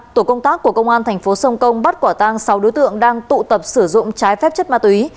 tổ công tác của công an thành phố sông công bắt quả tang sáu đối tượng đang tụ tập sử dụng trái phép chất ma túy